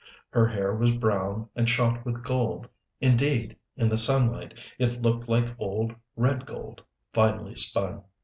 Her hair was brown and shot with gold indeed, in the sunlight, it looked like old, red gold, finely spun.